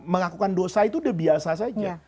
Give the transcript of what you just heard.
melakukan dosa itu udah biasa saja